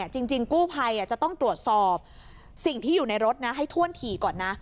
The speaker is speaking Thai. จริงกู้ภัยจะต้องตรวจสอบสิ่งที่อยู่ในรถนะให้ถ้วนถี่ก่อนนะ